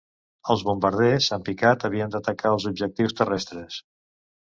Els bombarders en picat havien d'atacar els objectius terrestres.